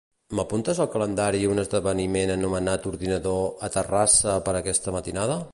M'apuntes al calendari un esdeveniment anomenat "ordinador" a Terrassa per aquesta matinada?